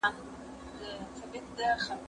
زه به اوږده موده سندري اورېدلي وم!